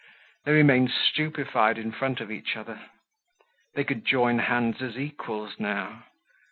They remained stupefied in front of each other. They could join hands as equals now.